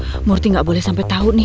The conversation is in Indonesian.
aduh murti gak boleh sampai tau nih